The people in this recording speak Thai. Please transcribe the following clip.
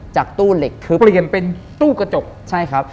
จากตู้เหล็กเปลี่ยนเป็นตู้กระจก